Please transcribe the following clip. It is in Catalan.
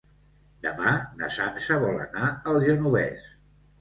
Demà na Sança vol anar al Genovés.